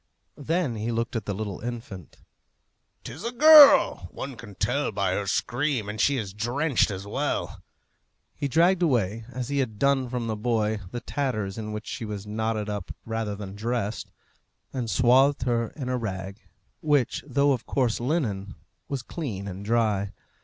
Then he looked at the little infant. "'Tis a girl! one can tell that by her scream, and she is drenched as well." He dragged away, as he had done from the boy, the tatters in which she was knotted up rather than dressed, and swathed her in a rag, which, though of coarse linen, was clean and dry.